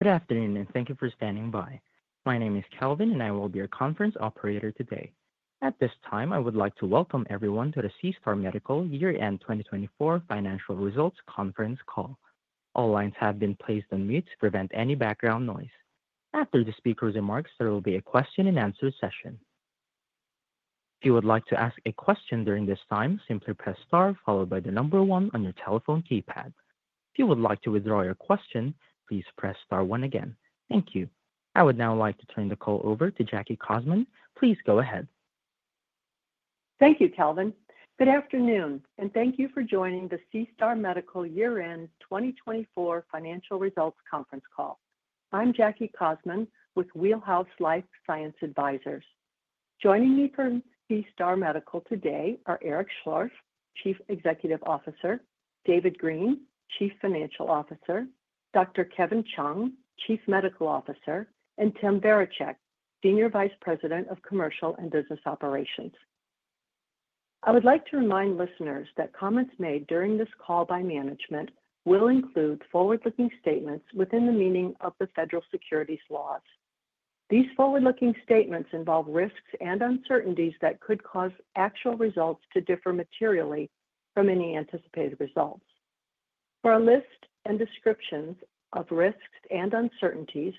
Good afternoon and thank you for standing by. My name is Calvin, and I will be your conference operator today. At this time, I would like to welcome everyone to the SeaStar Medical year-end 2024 financial results conference call. All lines have been placed on mute to prevent any background noise. After the speaker's remarks, there will be a question-and-answer session. If you would like to ask a question during this time, simply press star followed by the number one on your telephone keypad. If you would like to withdraw your question, please press star one again. Thank you. I would now like to turn the call over to Jackie Cossmon. Please go ahead. Thank you, Calvin. Good afternoon, and thank you for joining the SeaStar Medical year-end 2024 financial results conference call. I'm Jackie Cossmon with Wheelhouse Life Science Advisors. Joining me from SeaStar Medical today are Eric Schlorff, Chief Executive Officer; David Green, Chief Financial Officer; Dr. Kevin Chung, Chief Medical Officer; and Tim Varacek, Senior Vice President of Commercial and Business Operations. I would like to remind listeners that comments made during this call by management will include forward-looking statements within the meaning of the federal securities laws. These forward-looking statements involve risks and uncertainties that could cause actual results to differ materially from any anticipated results. For a list and descriptions of risks and uncertainties,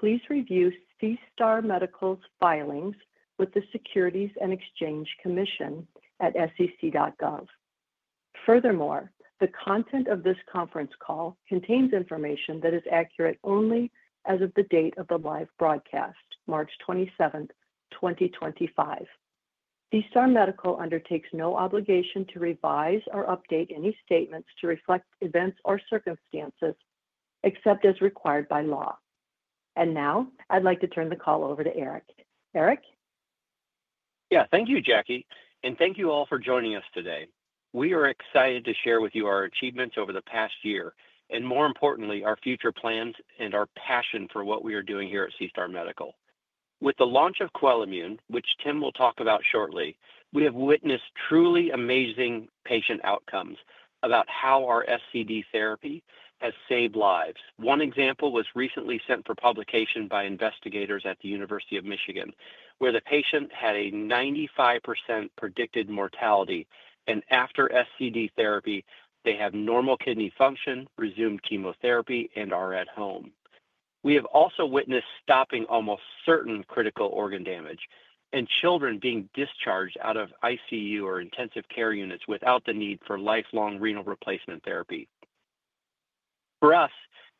please review SeaStar Medical's filings with the Securities and Exchange Commission at SEC.gov. Furthermore, the content of this conference call contains information that is accurate only as of the date of the live broadcast, March 27, 2025. SeaStar Medical undertakes no obligation to revise or update any statements to reflect events or circumstances except as required by law. I would like to turn the call over to Eric. Eric? Yeah, thank you, Jackie, and thank you all for joining us today. We are excited to share with you our achievements over the past year and, more importantly, our future plans and our passion for what we are doing here at SeaStar Medical. With the launch of QUELIMMUNE, which Tim will talk about shortly, we have witnessed truly amazing patient outcomes about how our SCD therapy has saved lives. One example was recently sent for publication by investigators at the University of Michigan, where the patient had a 95% predicted mortality, and after SCD therapy, they have normal kidney function, resumed chemotherapy, and are at home. We have also witnessed stopping almost certain critical organ damage and children being discharged out of ICU or intensive care units without the need for lifelong renal replacement therapy. For us,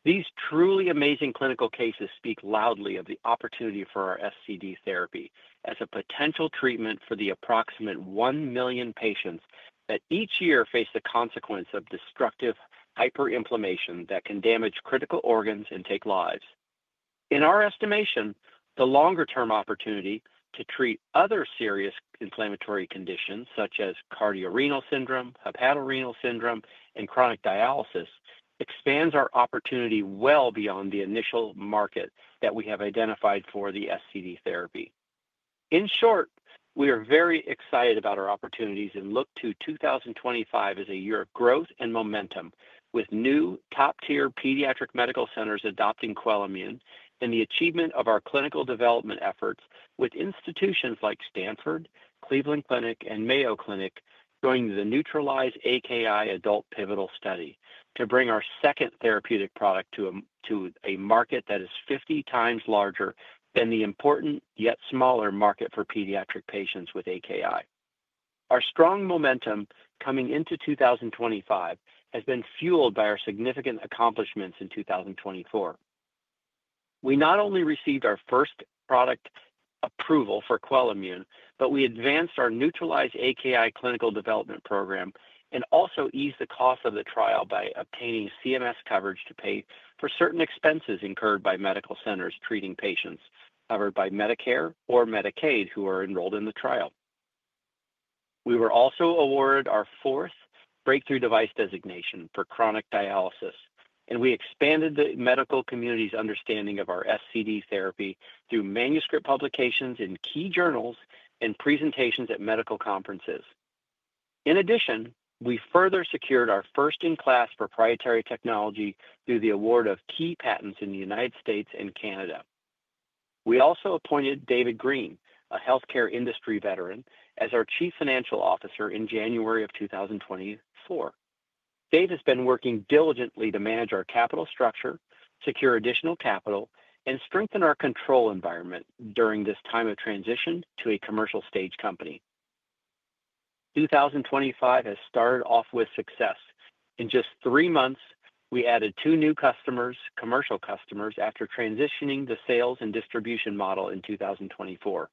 these truly amazing clinical cases speak loudly of the opportunity for our SCD therapy as a potential treatment for the approximate 1 million patients that each year face the consequence of destructive hyperinflammation that can damage critical organs and take lives. In our estimation, the longer-term opportunity to treat other serious inflammatory conditions such as cardiorenal syndrome, hepatorenal syndrome, and chronic dialysis expands our opportunity well beyond the initial market that we have identified for the SCD therapy. In short, we are very excited about our opportunities and look to 2025 as a year of growth and momentum, with new top-tier pediatric medical centers adopting QUELIMMUNE and the achievement of our clinical development efforts with institutions like Stanford, Cleveland Clinic, and Mayo Clinic going to the NEUTRALIZE-AKI Adult Pivotal Study to bring our second therapeutic product to a market that is 50x larger than the important yet smaller market for pediatric patients with AKI. Our strong momentum coming into 2025 has been fueled by our significant accomplishments in 2024. We not only received our first product approval for QUELIMMUNE, but we advanced our NEUTRALIZE-AKI clinical development program and also eased the cost of the trial by obtaining CMS coverage to pay for certain expenses incurred by medical centers treating patients covered by Medicare or Medicaid who are enrolled in the trial. We were also awarded our fourth Breakthrough Device designation for chronic dialysis, and we expanded the medical community's understanding of our SCD therapy through manuscript publications in key journals and presentations at medical conferences. In addition, we further secured our first-in-class proprietary technology through the award of key patents in the United States and Canada. We also appointed David Green, a healthcare industry veteran, as our Chief Financial Officer in January of 2024. Dave has been working diligently to manage our capital structure, secure additional capital, and strengthen our control environment during this time of transition to a commercial stage company. 2025 has started off with success. In just three months, we added two new customers, commercial customers, after transitioning the sales and distribution model in 2024.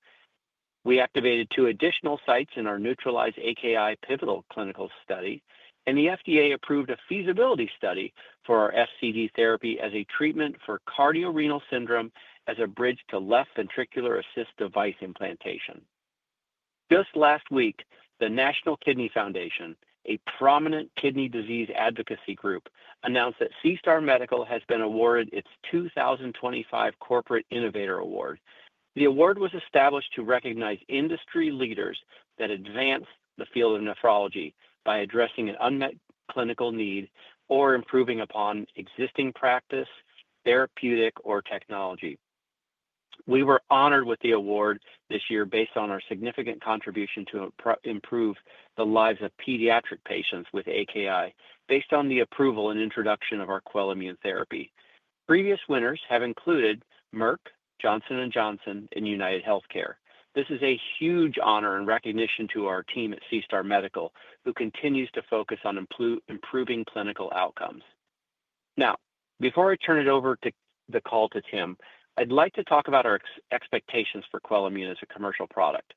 We activated two additional sites in our NEUTRALIZE-AKI Pivotal Clinical Study, and the FDA approved a feasibility study for our SCD therapy as a treatment for cardiorenal syndrome as a bridge to left ventricular assist device implantation. Just last week, the National Kidney Foundation, a prominent kidney disease advocacy group, announced that SeaStar Medical has been awarded its 2025 Corporate Innovator Award. The award was established to recognize industry leaders that advance the field of nephrology by addressing an unmet clinical need or improving upon existing practice, therapeutic, or technology. We were honored with the award this year based on our significant contribution to improve the lives of pediatric patients with AKI based on the approval and introduction of our QUELIMMUNE therapy. Previous winners have included Merck, Johnson & Johnson, and UnitedHealthcare. This is a huge honor and recognition to our team at SeaStar Medical, who continues to focus on improving clinical outcomes. Now, before I turn it over to the call to Tim, I'd like to talk about our expectations for QUELIMMUNE as a commercial product.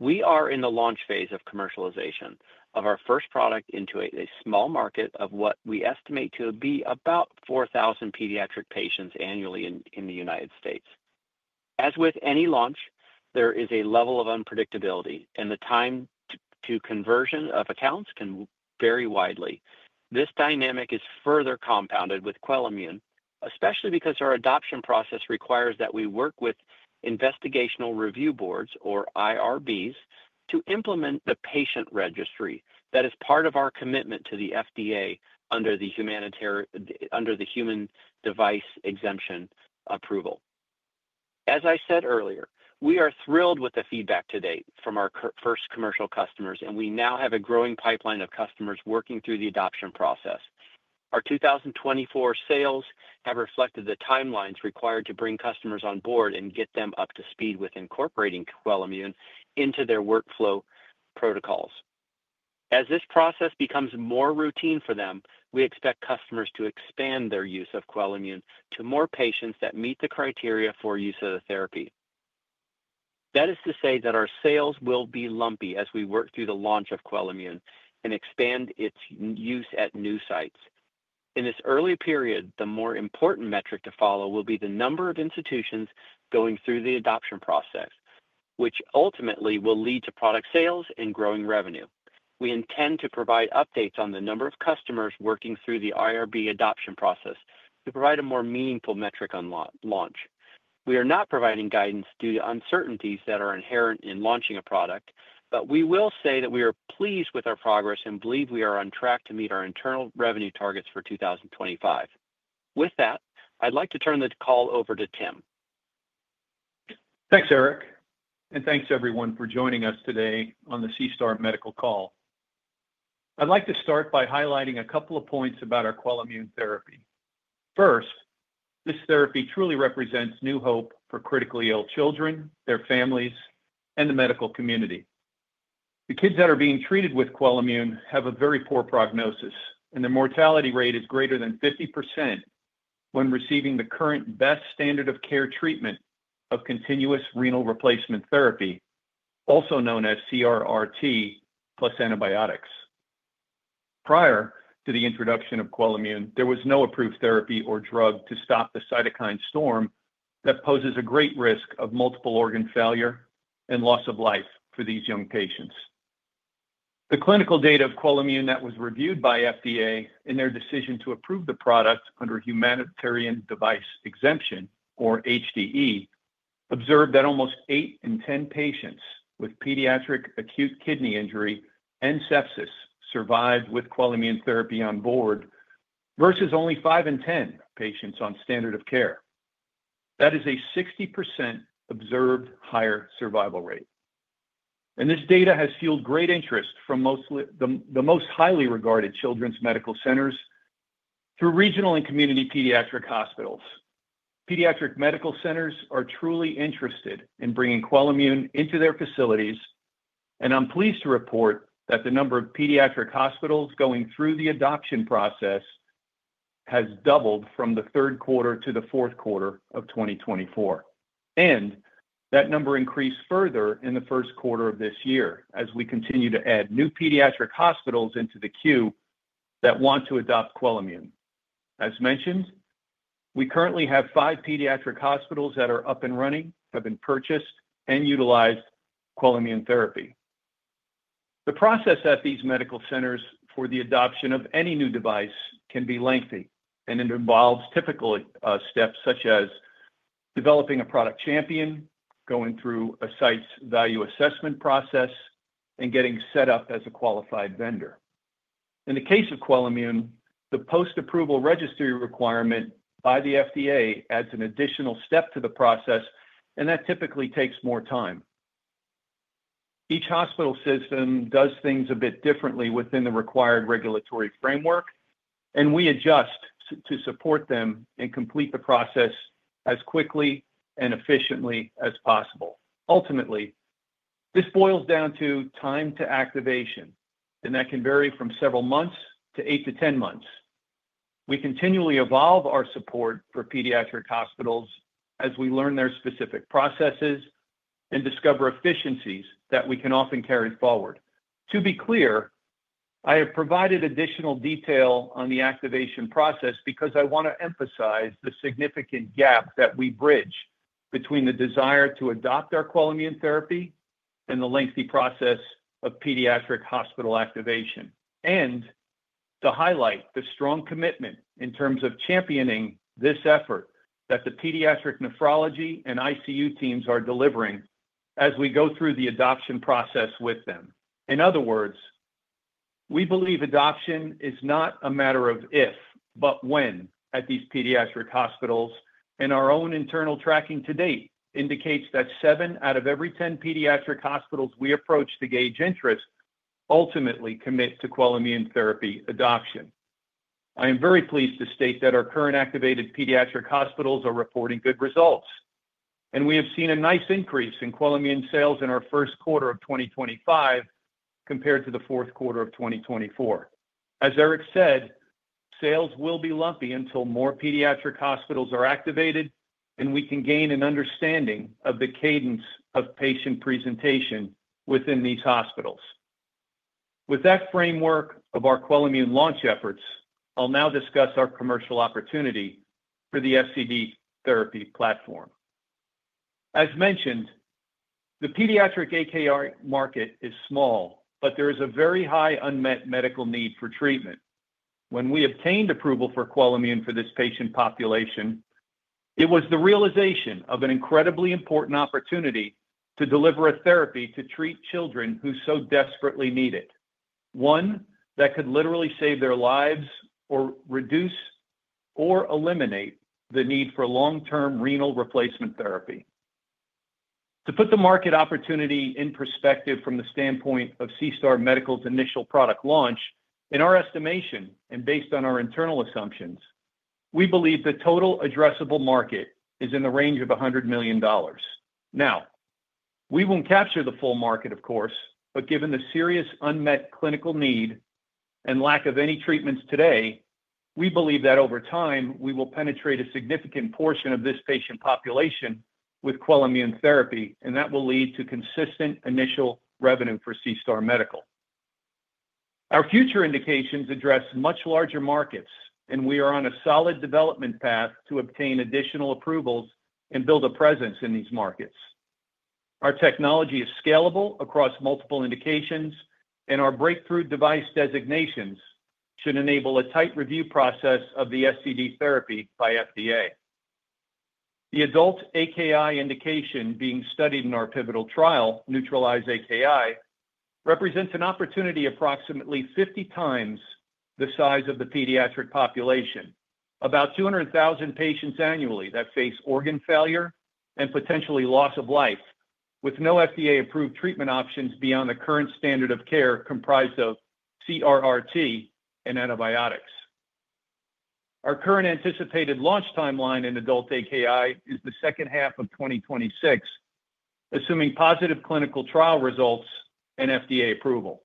We are in the launch phase of commercialization of our first product into a small market of what we estimate to be about 4,000 pediatric patients annually in the United States. As with any launch, there is a level of unpredictability, and the time to conversion of accounts can vary widely. This dynamic is further compounded with QUELIMMUNE, especially because our adoption process requires that we work with Investigational Review Boards or IRBs, to implement the patient registry. That is part of our commitment to the FDA under the Humanitarian Device Exemption approval. As I said earlier, we are thrilled with the feedback to date from our first commercial customers, and we now have a growing pipeline of customers working through the adoption process. Our 2024 sales have reflected the timelines required to bring customers on board and get them up to speed with incorporating QUELIMMUNE into their workflow protocols. As this process becomes more routine for them, we expect customers to expand their use of QUELIMMUNE to more patients that meet the criteria for use of the therapy. That is to say that our sales will be lumpy as we work through the launch of QUELIMMUNE and expand its use at new sites. In this early period, the more important metric to follow will be the number of institutions going through the adoption process, which ultimately will lead to product sales and growing revenue. We intend to provide updates on the number of customers working through the IRB adoption process to provide a more meaningful metric on launch. We are not providing guidance due to uncertainties that are inherent in launching a product, but we will say that we are pleased with our progress and believe we are on track to meet our internal revenue targets for 2025. With that, I'd like to turn the call over to Tim. Thanks, Eric, and thanks everyone for joining us today on the SeaStar Medical call. I'd like to start by highlighting a couple of points about our QUELIMMUNE therapy. First, this therapy truly represents new hope for critically ill children, their families, and the medical community. The kids that are being treated with QUELIMMUNE have a very poor prognosis, and their mortality rate is greater than 50% when receiving the current best standard of care treatment of continuous renal replacement therapy, also known as CRRT plus antibiotics. Prior to the introduction of QUELIMMUNE, there was no approved therapy or drug to stop the cytokine storm that poses a great risk of multiple organ failure and loss of life for these young patients. The clinical data of QUELIMMUNE that was reviewed by FDA in their decision to approve the product under Humanitarian Device Exemption, or HDE, observed that almost 8 in 10 patients with pediatric acute kidney injury and sepsis survived with QUELIMMUNE therapy on board versus only 5 in 10 patients on standard of care. That is a 60% observed higher survival rate. This data has fueled great interest from the most highly regarded children's medical centers through regional and community pediatric hospitals. Pediatric medical centers are truly interested in bringing QUELIMMUNE into their facilities, and I'm pleased to report that the number of pediatric hospitals going through the adoption process has doubled from the third quarter to the fourth quarter of 2024. That number increased further in the first quarter of this year as we continue to add new pediatric hospitals into the queue that want to adopt QUELIMMUNE. As mentioned, we currently have five pediatric hospitals that are up and running, have been purchased, and utilize QUELIMMUNE therapy. The process at these medical centers for the adoption of any new device can be lengthy, and it involves typical steps such as developing a product champion, going through a site's value assessment process, and getting set up as a qualified vendor. In the case of QUELIMMUNE, the post-approval registry requirement by the FDA adds an additional step to the process, and that typically takes more time. Each hospital system does things a bit differently within the required regulatory framework, and we adjust to support them and complete the process as quickly and efficiently as possible. Ultimately, this boils down to time to activation, and that can vary from several months to 8-10 months. We continually evolve our support for pediatric hospitals as we learn their specific processes and discover efficiencies that we can often carry forward. To be clear, I have provided additional detail on the activation process because I want to emphasize the significant gap that we bridge between the desire to adopt our QUELIMMUNE therapy and the lengthy process of pediatric hospital activation, and to highlight the strong commitment in terms of championing this effort that the pediatric nephrology and ICU teams are delivering as we go through the adoption process with them. In other words, we believe adoption is not a matter of if, but when at these pediatric hospitals, and our own internal tracking to date indicates that 7 out of every 10 pediatric hospitals we approach to gauge interest ultimately commit to QUELIMMUNE therapy adoption. I am very pleased to state that our current activated pediatric hospitals are reporting good results, and we have seen a nice increase in QUELIMMUNE sales in our first quarter of 2025 compared to the fourth quarter of 2024. As Eric said, sales will be lumpy until more pediatric hospitals are activated, and we can gain an understanding of the cadence of patient presentation within these hospitals. With that framework of our QUELIMMUNE launch efforts, I'll now discuss our commercial opportunity for the SCD therapy platform. As mentioned, the pediatric AKI market is small, but there is a very high unmet medical need for treatment. When we obtained approval for QUELIMMUNE for this patient population, it was the realization of an incredibly important opportunity to deliver a therapy to treat children who so desperately need it, one that could literally save their lives or reduce or eliminate the need for long-term renal replacement therapy. To put the market opportunity in perspective from the standpoint of SeaStar Medical's initial product launch, in our estimation and based on our internal assumptions, we believe the total addressable market is in the range of $100 million. Now, we won't capture the full market, of course, but given the serious unmet clinical need and lack of any treatments today, we believe that over time we will penetrate a significant portion of this patient population with QUELIMMUNE therapy, and that will lead to consistent initial revenue for SeaStar Medical. Our future indications address much larger markets, and we are on a solid development path to obtain additional approvals and build a presence in these markets. Our technology is scalable across multiple indications, and our Breakthrough Device designations should enable a tight review process of the SCD therapy by FDA. The adult AKI indication being studied in our pivotal trial, NEUTRALIZE-AKI, represents an opportunity approximately 50x the size of the pediatric population, about 200,000 patients annually that face organ failure and potentially loss of life with no FDA-approved treatment options beyond the current standard of care comprised of CRRT and antibiotics. Our current anticipated launch timeline in adult AKI is the second half of 2026, assuming positive clinical trial results and FDA approval.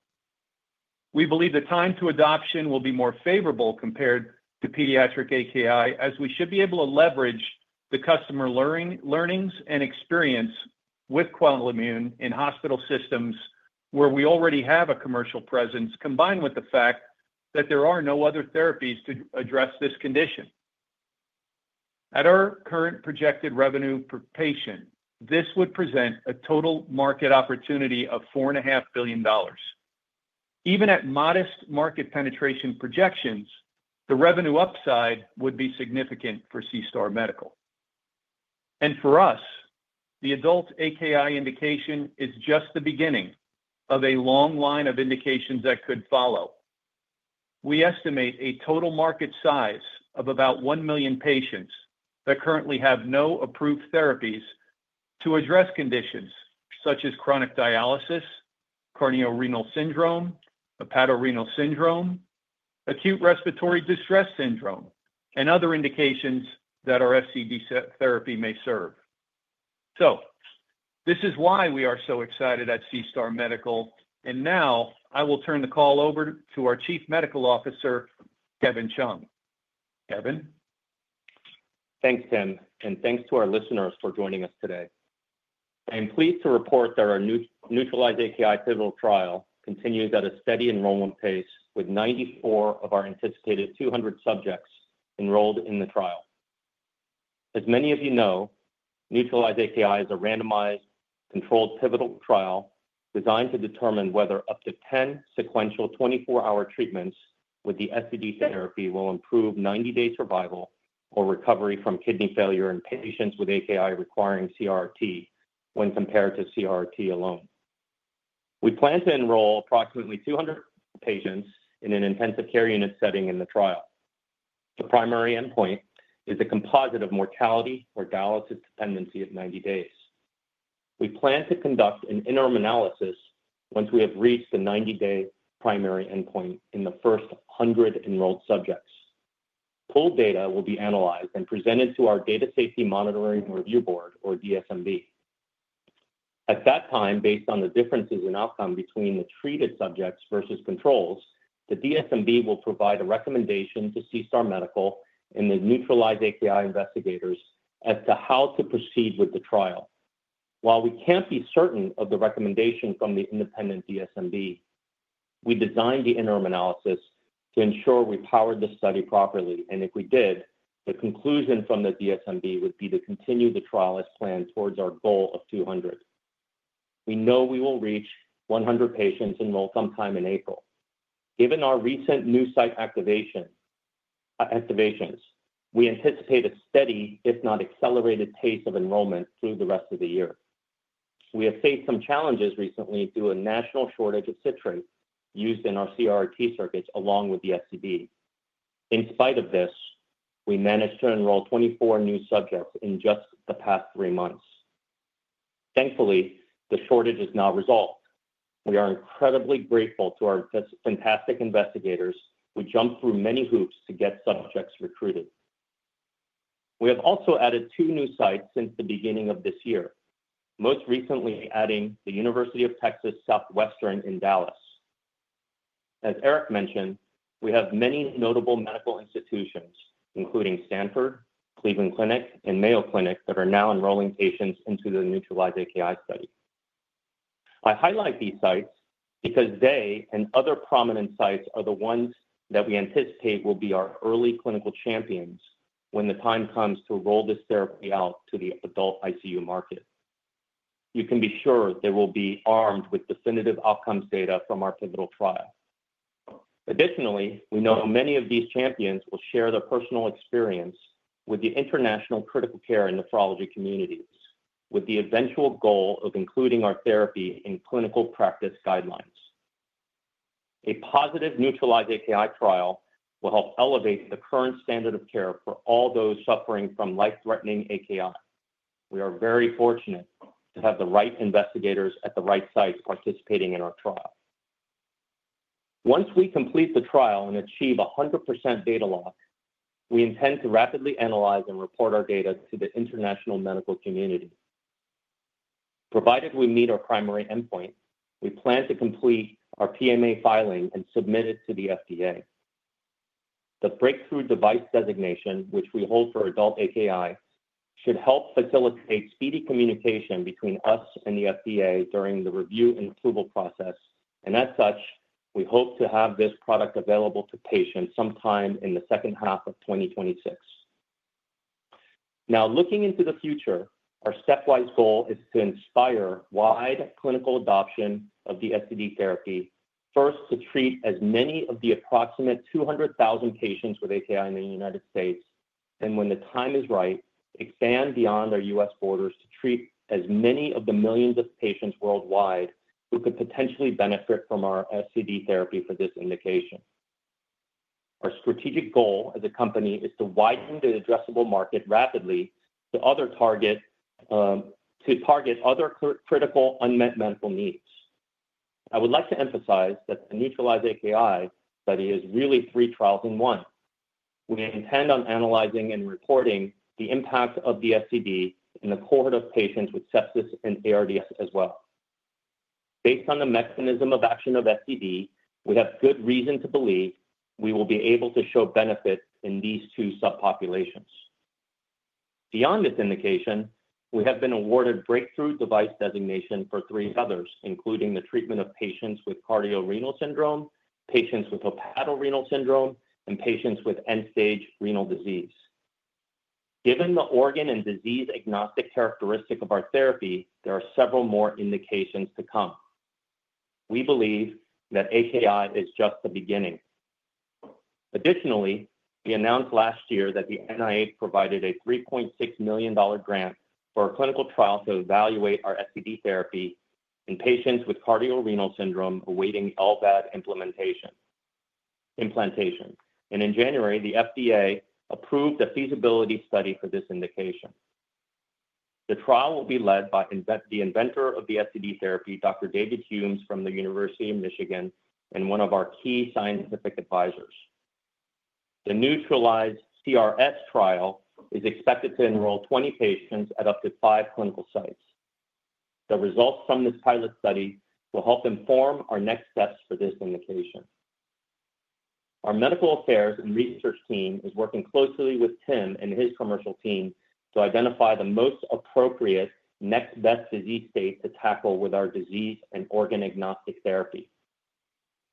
We believe the time to adoption will be more favorable compared to pediatric AKI, as we should be able to leverage the customer learnings and experience with QUELIMMUNE in hospital systems where we already have a commercial presence, combined with the fact that there are no other therapies to address this condition. At our current projected revenue per patient, this would present a total market opportunity of $4.5 billion. Even at modest market penetration projections, the revenue upside would be significant for SeaStar Medical. For us, the adult AKI indication is just the beginning of a long line of indications that could follow. We estimate a total market size of about 1 million patients that currently have no approved therapies to address conditions such as chronic dialysis, cardiorenal syndrome, hepatorenal syndrome, acute respiratory distress syndrome, and other indications that our SCD therapy may serve. This is why we are so excited at SeaStar Medical, and now I will turn the call over to our Chief Medical Officer, Kevin Chung. Kevin. Thanks, Tim, and thanks to our listeners for joining us today. I am pleased to report that our NEUTRALIZE-AKI pivotal trial continues at a steady enrollment pace with 94 of our anticipated 200 subjects enrolled in the trial. As many of you know, NEUTRALIZE-AKI is a randomized, controlled pivotal trial designed to determine whether up to 10 sequential 24-hour treatments with the SCD therapy will improve 90-day survival or recovery from kidney failure in patients with AKI requiring CRRT when compared to CRRT alone. We plan to enroll approximately 200 patients in an intensive care unit setting in the trial. The primary endpoint is a composite of mortality or dialysis dependency at 90 days. We plan to conduct an interim analysis once we have reached the 90-day primary endpoint in the first 100 enrolled subjects. Pooled data will be analyzed and presented to our Data Safety Monitoring Board, or DSMB. At that time, based on the differences in outcome between the treated subjects versus controls, the DSMB will provide a recommendation to SeaStar Medical and the NEUTRALIZE-AKI investigators as to how to proceed with the trial. While we can't be certain of the recommendation from the independent DSMB, we designed the interim analysis to ensure we powered the study properly, and if we did, the conclusion from the DSMB would be to continue the trial as planned towards our goal of 200. We know we will reach 100 patients in some time in April. Given our recent new site activations, we anticipate a steady, if not accelerated, pace of enrollment through the rest of the year. We have faced some challenges recently due to a national shortage of citrate used in our CRRT circuits along with the SCD. In spite of this, we managed to enroll 24 new subjects in just the past three months. Thankfully, the shortage is now resolved. We are incredibly grateful to our fantastic investigators who jumped through many hoops to get subjects recruited. We have also added two new sites since the beginning of this year, most recently adding the University of Texas Southwestern in Dallas. As Eric mentioned, we have many notable medical institutions, including Stanford, Cleveland Clinic, and Mayo Clinic, that are now enrolling patients into the NEUTRALIZE-AKI study. I highlight these sites because they and other prominent sites are the ones that we anticipate will be our early clinical champions when the time comes to roll this therapy out to the adult ICU market. You can be sure they will be armed with definitive outcomes data from our pivotal trial. Additionally, we know many of these champions will share their personal experience with the international critical care and nephrology communities, with the eventual goal of including our therapy in clinical practice guidelines. A positive NEUTRALIZE-AKI trial will help elevate the current standard of care for all those suffering from life-threatening AKI. We are very fortunate to have the right investigators at the right sites participating in our trial. Once we complete the trial and achieve 100% data lock, we intend to rapidly analyze and report our data to the international medical community. Provided we meet our primary endpoint, we plan to complete our PMA filing and submit it to the FDA. The Breakthrough Device designation, which we hold for adult AKI, should help facilitate speedy communication between us and the FDA during the review and approval process, and as such, we hope to have this product available to patients sometime in the second half of 2026. Now, looking into the future, our stepwise goal is to inspire wide clinical adoption of the SCD therapy, first to treat as many of the approximate 200,000 patients with AKI in the U.S., and when the time is right, expand beyond our U.S. borders to treat as many of the millions of patients worldwide who could potentially benefit from our SCD therapy for this indication. Our strategic goal as a company is to widen the addressable market rapidly to target other critical unmet medical needs. I would like to emphasize that the NEUTRALIZE-AKI study is really three trials in one. We intend on analyzing and reporting the impact of the SCD in the cohort of patients with sepsis and ARDS as well. Based on the mechanism of action of SCD, we have good reason to believe we will be able to show benefit in these two subpopulations. Beyond this indication, we have been awarded Breakthrough Device designation for three others, including the treatment of patients with cardiorenal syndrome, patients with hepatorenal syndrome, and patients with end-stage renal disease. Given the organ and disease-agnostic characteristic of our therapy, there are several more indications to come. We believe that AKI is just the beginning. Additionally, we announced last year that the NIH provided a $3.6 million grant for a clinical trial to evaluate our SCD therapy in patients with cardiorenal syndrome awaiting LVAD implantation. In January, the FDA approved a feasibility study for this indication. The trial will be led by the inventor of the SCD therapy, Dr. David Humes from the University of Michigan, and one of our key scientific advisors. The NEUTRALIZE-CRS trial is expected to enroll 20 patients at up to five clinical sites. The results from this pilot study will help inform our next steps for this indication. Our medical affairs and research team is working closely with Tim and his commercial team to identify the most appropriate next best disease state to tackle with our disease and organ-agnostic therapy.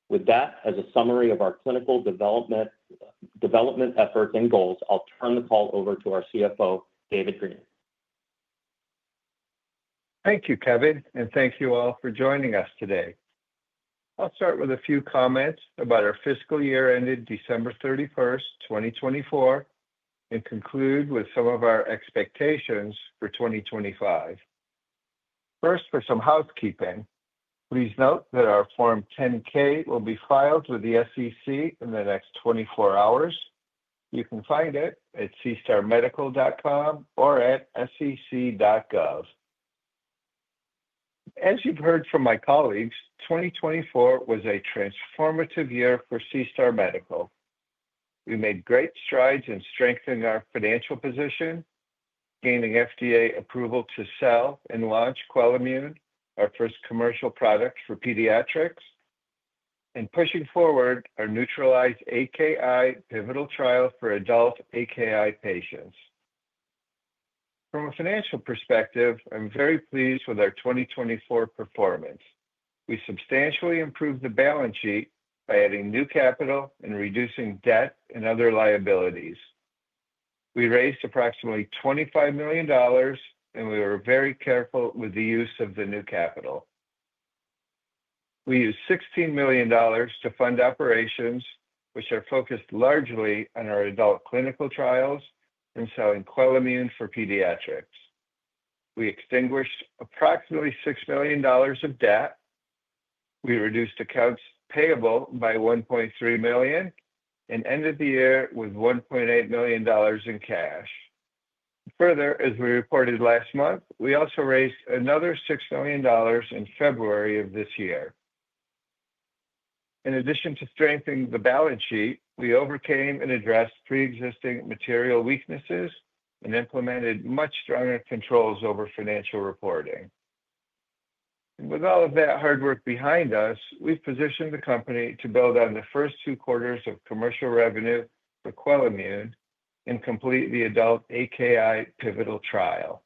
With that, as a summary of our clinical development efforts and goals, I'll turn the call over to our CFO, David Green. Thank you, Kevin, and thank you all for joining us today. I'll start with a few comments about our fiscal year ending December 31, 2024, and conclude with some of our expectations for 2025. First, for some housekeeping, please note that our Form 10-K will be filed with the SEC in the next 24 hours. You can find it at SeaStarMedical.com or at SEC.gov. As you've heard from my colleagues, 2024 was a transformative year for SeaStar Medical. We made great strides in strengthening our financial position, gaining FDA approval to sell and launch QUELIMMUNE, our first commercial product for pediatrics, and pushing forward our NEUTRALIZE-AKI pivotal trial for adult AKI patients. From a financial perspective, I'm very pleased with our 2024 performance. We substantially improved the balance sheet by adding new capital and reducing debt and other liabilities. We raised approximately $25 million, and we were very careful with the use of the new capital. We used $16 million to fund operations, which are focused largely on our adult clinical trials and selling QUELIMMUNE for pediatrics. We extinguished approximately $6 million of debt. We reduced accounts payable by $1.3 million and ended the year with $1.8 million in cash. Further, as we reported last month, we also raised another $6 million in February of this year. In addition to strengthening the balance sheet, we overcame and addressed pre-existing material weaknesses and implemented much stronger controls over financial reporting. With all of that hard work behind us, we've positioned the company to build on the first two quarters of commercial revenue for QUELIMMUNE and complete the adult AKI pivotal trial.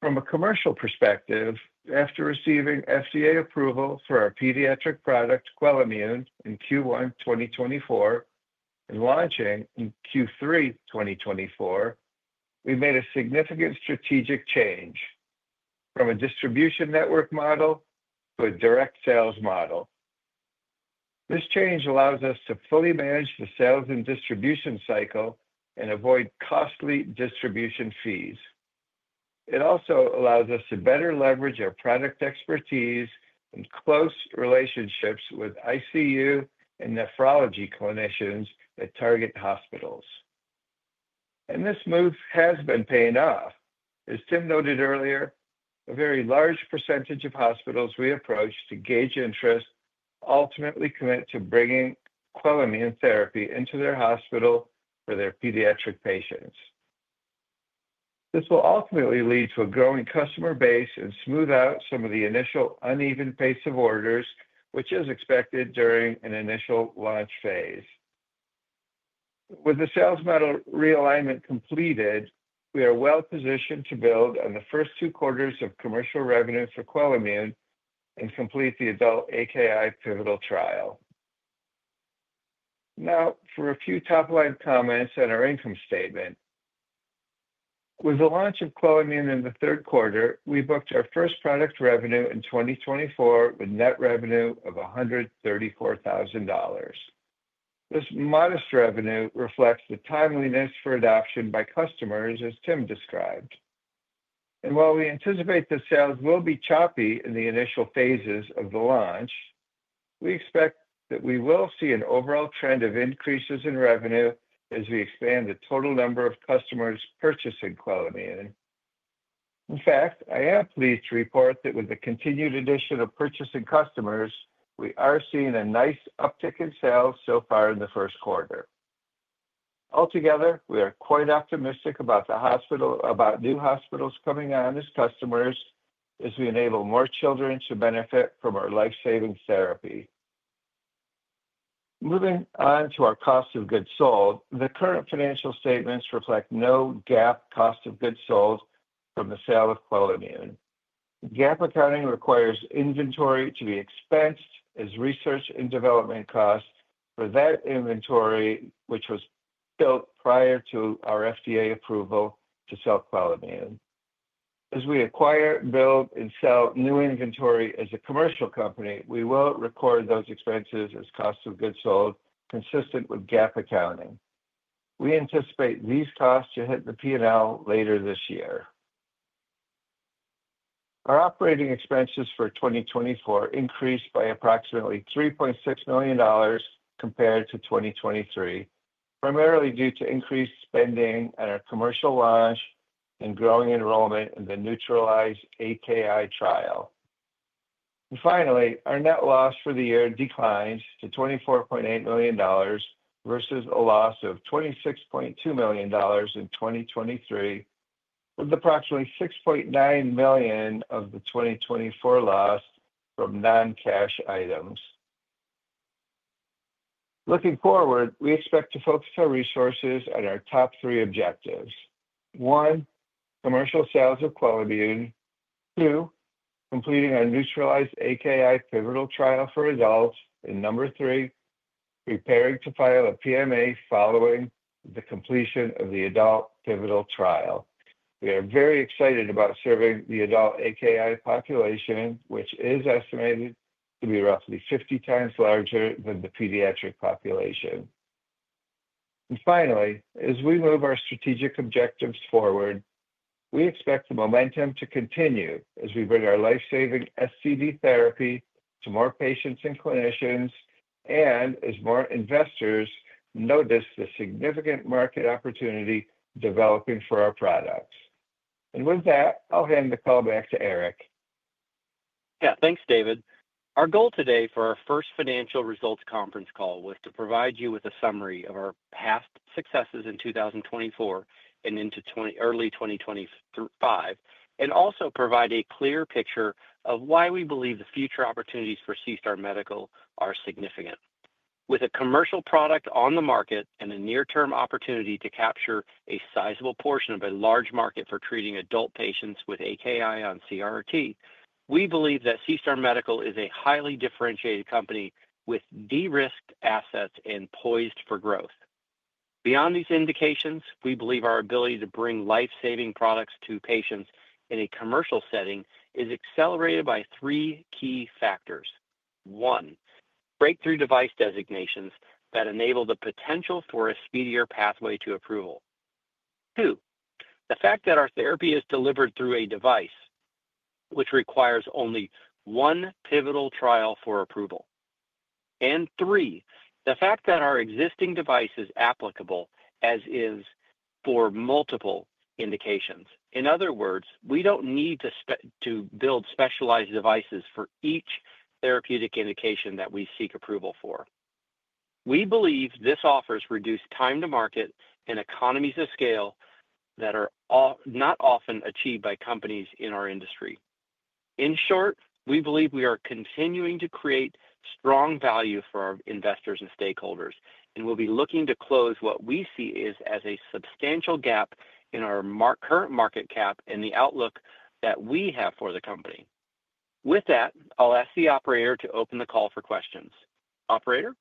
From a commercial perspective, after receiving FDA approval for our pediatric product QUELIMMUNE in Q1 2024 and launching in Q3 2024, we made a significant strategic change from a distribution network model to a direct sales model. This change allows us to fully manage the sales and distribution cycle and avoid costly distribution fees. It also allows us to better leverage our product expertise and close relationships with ICU and nephrology clinicians that target hospitals. This move has been paying off. As Tim noted earlier, a very large percentage of hospitals we approach to gauge interest ultimately commit to bringing QUELIMMUNE therapy into their hospital for their pediatric patients. This will ultimately lead to a growing customer base and smooth out some of the initial uneven pace of orders, which is expected during an initial launch phase. With the sales model realignment completed, we are well positioned to build on the first two quarters of commercial revenue for QUELIMMUNE and complete the adult AKI pivotal trial. Now, for a few top-line comments on our income statement. With the launch of QUELIMMUNE in the third quarter, we booked our first product revenue in 2024 with net revenue of $134,000. This modest revenue reflects the timeliness for adoption by customers, as Tim described. While we anticipate the sales will be choppy in the initial phases of the launch, we expect that we will see an overall trend of increases in revenue as we expand the total number of customers purchasing QUELIMMUNE. In fact, I am pleased to report that with the continued addition of purchasing customers, we are seeing a nice uptick in sales so far in the first quarter. Altogether, we are quite optimistic about new hospitals coming on as customers as we enable more children to benefit from our life-saving therapy. Moving on to our Cost of Goods Sold, the current financial statements reflect no GAAP Cost of Goods Sold from the sale of QUELIMMUNE. GAAP accounting requires inventory to be expensed as research and development costs for that inventory, which was built prior to our FDA approval to sell QUELIMMUNE. As we acquire, build, and sell new inventory as a commercial company, we will record those expenses as Cost of Goods Sold consistent with GAAP accounting. We anticipate these costs to hit the P&L later this year. Our operating expenses for 2024 increased by approximately $3.6 million compared to 2023, primarily due to increased spending on our commercial launch and growing enrollment in the NEUTRALIZE-AKI trial. Our net loss for the year declines to $24.8 million versus a loss of $26.2 million in 2023, with approximately $6.9 million of the 2024 loss from non-cash items. Looking forward, we expect to focus our resources on our top three objectives. One, commercial sales of QUELIMMUNE. Two, completing our NEUTRALIZE-AKI pivotal trial for adults. Number three, preparing to file a PMA following the completion of the adult pivotal trial. We are very excited about serving the adult AKI population, which is estimated to be roughly 50x larger than the pediatric population. As we move our strategic objectives forward, we expect the momentum to continue as we bring our life-saving SCD therapy to more patients and clinicians and as more investors notice the significant market opportunity developing for our products. With that, I'll hand the call back to Eric. Yeah, thanks, David. Our goal today for our first financial results conference call was to provide you with a summary of our past successes in 2024 and into early 2025, and also provide a clear picture of why we believe the future opportunities for SeaStar Medical are significant. With a commercial product on the market and a near-term opportunity to capture a sizable portion of a large market for treating adult patients with AKI on CRRT, we believe that SeaStar Medical is a highly differentiated company with de-risked assets and poised for growth. Beyond these indications, we believe our ability to bring life-saving products to patients in a commercial setting is accelerated by three key factors. One, breakthrough device designations that enable the potential for a speedier pathway to approval. Two, the fact that our therapy is delivered through a device which requires only one pivotal trial for approval. Three, the fact that our existing device is applicable, as is, for multiple indications. In other words, we do not need to build specialized devices for each therapeutic indication that we seek approval for. We believe this offers reduced time to market and economies of scale that are not often achieved by companies in our industry. In short, we believe we are continuing to create strong value for our investors and stakeholders, and we will be looking to close what we see as a substantial gap in our current market cap and the outlook that we have for the company. With that, I will ask the operator to open the call for questions. Operator?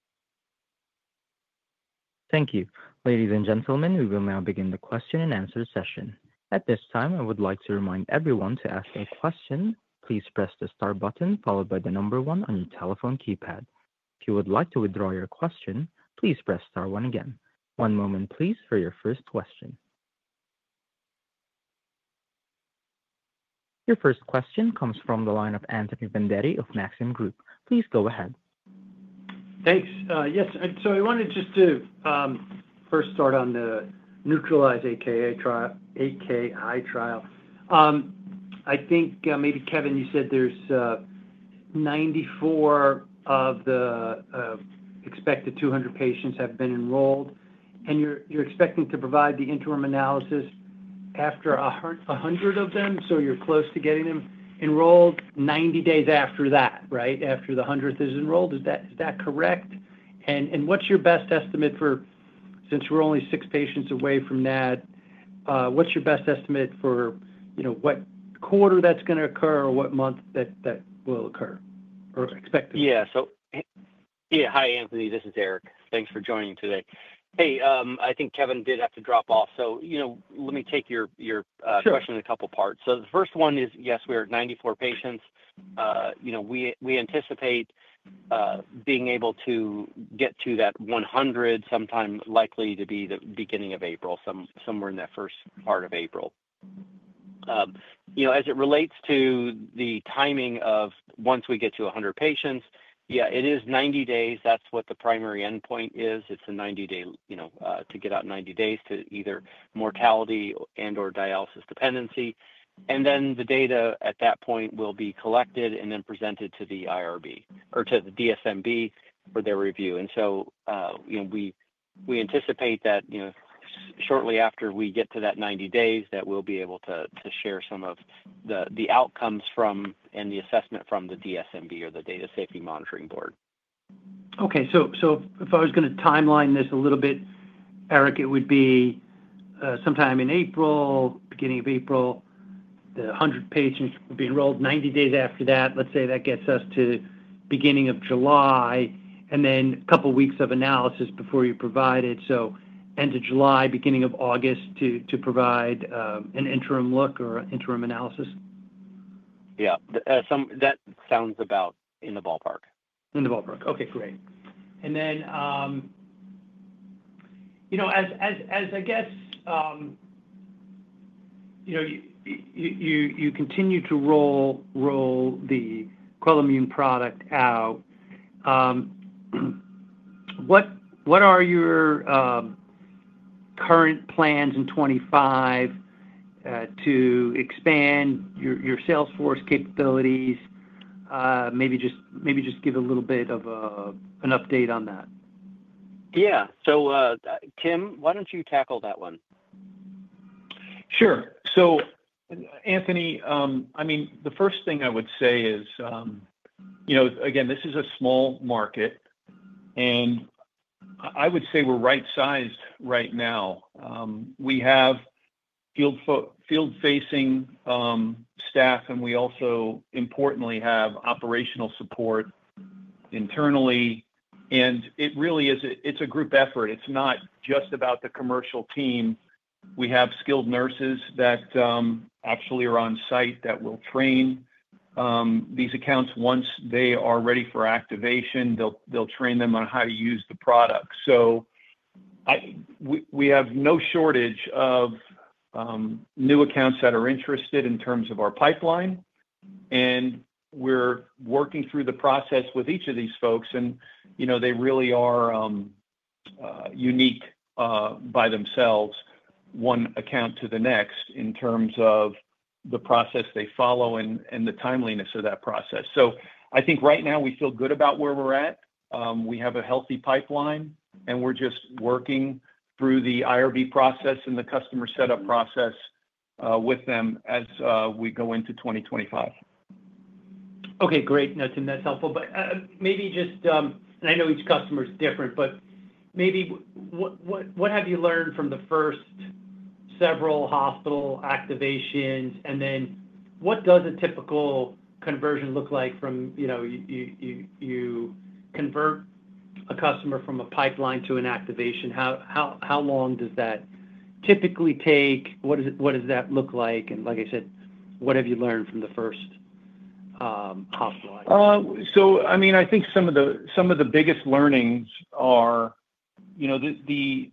Thank you. Ladies and gentlemen, we will now begin the question and answer session. At this time, I would like to remind everyone to ask a question. Please press the star button followed by the number one on your telephone keypad. If you would like to withdraw your question, please press star one again. One moment, please, for your first question. Your first question comes from the line of Anthony Vendetti of Maxim Group. Please go ahead. Thanks. Yes. I wanted just to first start on the NEUTRALIZE-AKI trial. I think maybe, Kevin, you said there's 94 of the expected 200 patients have been enrolled, and you're expecting to provide the interim analysis after 100 of them, so you're close to getting them enrolled 90 days after that, right, after the 100th is enrolled. Is that correct? What's your best estimate for, since we're only six patients away from that, what's your best estimate for what quarter that's going to occur or what month that will occur or expected? Yeah. So yeah, hi, Anthony. This is Eric. Thanks for joining today. I think Kevin did have to drop off, so let me take your question in a couple of parts. The first one is, yes, we are at 94 patients. We anticipate being able to get to that 100, sometime likely to be the beginning of April, somewhere in that first part of April. As it relates to the timing of once we get to 100 patients, yeah, it is 90 days. That's what the primary endpoint is. It's a 90-day to get out 90 days to either mortality and/or dialysis dependency. The data at that point will be collected and then presented to the IRB or to the DSMB for their review. We anticipate that shortly after we get to that 90 days, we'll be able to share some of the outcomes from and the assessment from the DSMB or the Data Safety Monitoring Board. Okay. If I was going to timeline this a little bit, Eric, it would be sometime in April, beginning of April, the 100 patients would be enrolled 90 days after that. Let's say that gets us to beginning of July, and then a couple of weeks of analysis before you provide it. End of July, beginning of August to provide an interim look or interim analysis. Yeah. That sounds about in the ballpark. In the ballpark. Okay. Great. As I guess you continue to roll the QUELIMMUNE product out, what are your current plans in 2025 to expand your sales force capabilities? Maybe just give a little bit of an update on that. Yeah. Tim, why don't you tackle that one? Sure. Anthony, I mean, the first thing I would say is, again, this is a small market, and I would say we're right-sized right now. We have field-facing staff, and we also, importantly, have operational support internally. It really is a group effort. It's not just about the commercial team. We have skilled nurses that actually are on site that will train these accounts. Once they are ready for activation, they'll train them on how to use the product. We have no shortage of new accounts that are interested in terms of our pipeline. We're working through the process with each of these folks, and they really are unique by themselves, one account to the next, in terms of the process they follow and the timeliness of that process. I think right now we feel good about where we're at. We have a healthy pipeline, and we're just working through the IRB process and the customer setup process with them as we go into 2025. Okay. Great. No, Tim, that's helpful. Maybe just—and I know each customer is different—what have you learned from the first several hospital activations? What does a typical conversion look like from you convert a customer from a pipeline to an activation? How long does that typically take? What does that look like? Like I said, what have you learned from the first hospital? I mean, I think some of the biggest learnings are the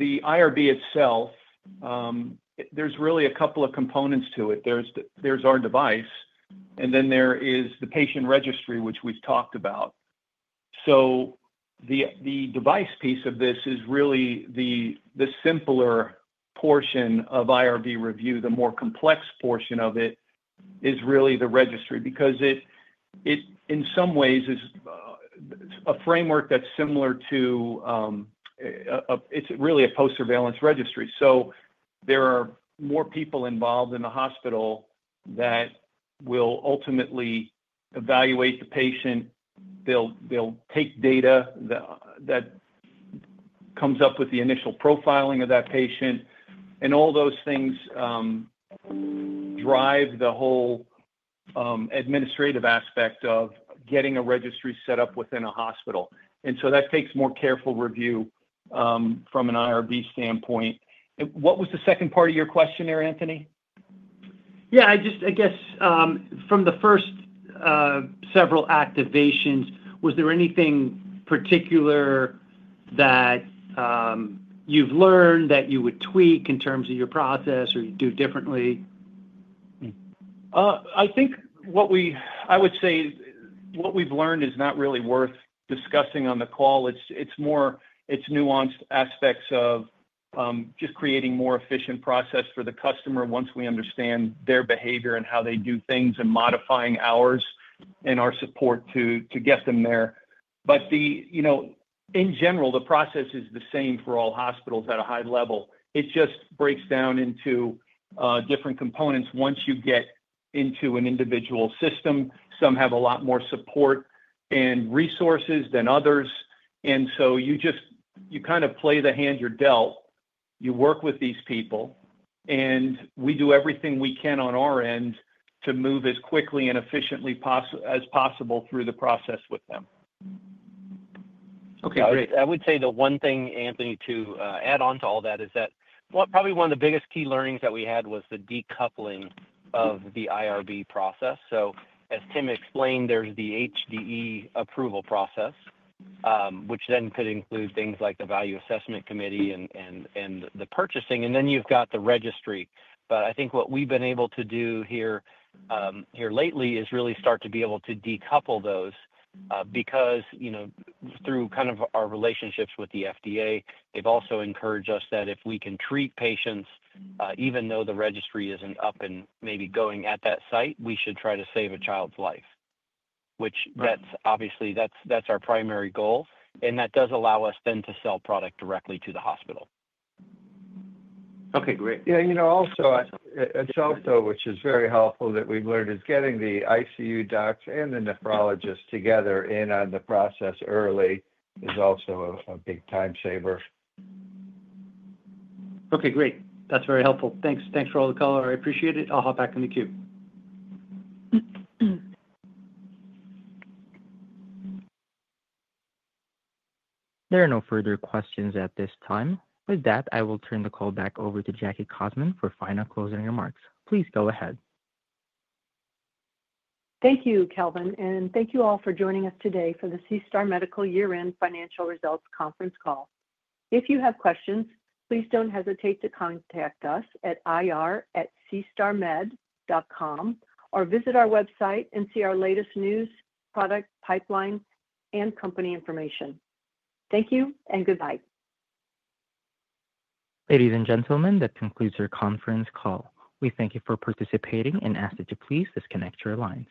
IRB itself. There are really a couple of components to it. There is our device, and then there is the patient registry, which we've talked about. The device piece of this is really the simpler portion of IRB review. The more complex portion of it is really the registry because it, in some ways, is a framework that's similar to—it's really a post-surveillance registry. There are more people involved in the hospital that will ultimately evaluate the patient. They'll take data that comes up with the initial profiling of that patient. All those things drive the whole administrative aspect of getting a registry set up within a hospital. That takes more careful review from an IRB standpoint. What was the second part of your question there, Anthony? Yeah. I guess from the first several activations, was there anything particular that you've learned that you would tweak in terms of your process or do differently? I think what we—I would say what we've learned is not really worth discussing on the call. It's more its nuanced aspects of just creating a more efficient process for the customer once we understand their behavior and how they do things and modifying ours and our support to get them there. In general, the process is the same for all hospitals at a high level. It just breaks down into different components once you get into an individual system. Some have a lot more support and resources than others. You kind of play the hand you're dealt. You work with these people, and we do everything we can on our end to move as quickly and efficiently as possible through the process with them. Okay. Great. I would say the one thing, Anthony, to add on to all that is that probably one of the biggest key learnings that we had was the decoupling of the IRB process. As Tim explained, there's the HDE approval process, which then could include things like the value assessment committee and the purchasing. You have the registry. I think what we've been able to do here lately is really start to be able to decouple those because through kind of our relationships with the FDA, they've also encouraged us that if we can treat patients, even though the registry isn't up and maybe going at that site, we should try to save a child's life. That's obviously our primary goal. That does allow us then to sell product directly to the hospital. Okay. Great. Yeah. What is very helpful that we've learned is getting the ICU docs and the nephrologists together in on the process early is also a big time saver. Okay. Great. That's very helpful. Thanks. Thanks for all the color. I appreciate it. I'll hop back in the queue. There are no further questions at this time. With that, I will turn the call back over to Jackie Cossmon for final closing remarks. Please go ahead. Thank you, Calvin. Thank you all for joining us today for the SeaStar Medical year-end financial results conference call. If you have questions, please do not hesitate to contact us at IR@SeaStarMed.com or visit our website and see our latest news, product, pipeline, and company information. Thank you and goodbye. Ladies and gentlemen, that concludes our conference call. We thank you for participating and ask that you please disconnect your lines.